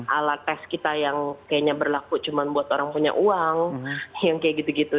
alat tes kita yang kayaknya berlaku cuma buat orang punya uang yang kayak gitu gitu